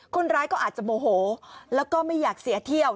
คนร้ายก็อาจจะโมโหแล้วก็ไม่อยากเสียเที่ยว